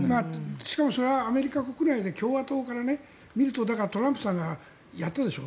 しかもそれはアメリカ国内で共和党から見るとだから、トランプさんがやったでしょ。